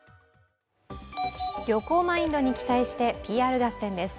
旅行マインドに期待してＰＲ合戦です。